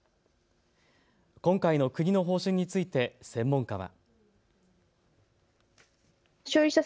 今回の国の方針について専門家は。